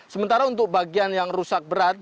sementara untuk bagian yang rusak berat